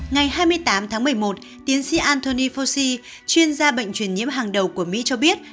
ngày hai mươi tám tháng một mươi một tiến sĩ anthony foshi chuyên gia bệnh truyền nhiễm hàng đầu của mỹ cho biết